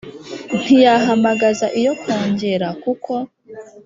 ntiyahamagaza iyo kongere kuko